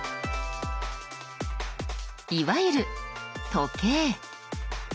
いわゆる時計。